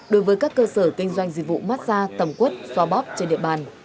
đối với các cơ sở kinh doanh dịch vụ mát xa tầm quất xoa bóp trên địa bàn